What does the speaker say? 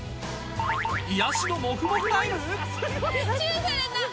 癒やしのもふもふライフ？